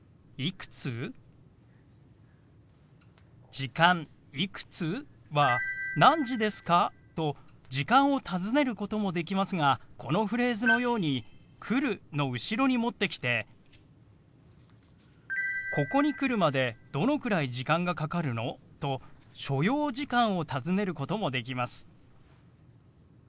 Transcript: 「時間いくつ？」は「何時ですか？」と時間を尋ねることもできますがこのフレーズのように「来る」の後ろに持ってきて「ここに来るまでどのくらい時間がかかるの？」と所要時間を尋ねることもできます。